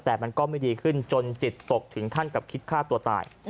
แต่มันก็ไม่ดีขึ้นจนจิตตกถึงขั้นกับคิดฆ่าตัวตาย